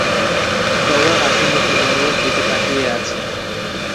টগর হাসিমুখে মুনিরের দিকে তাকিয়ে আছে।